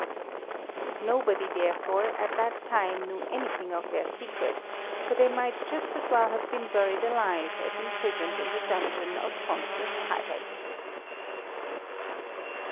Nobody, therefore, at that time knew anything of their secret, for they might just as well have been buried alive as imprisoned in the dungeon of Pontius Pilate.